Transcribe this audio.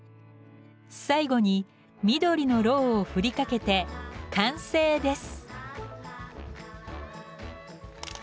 最後に緑の蝋を振りかけて完成です。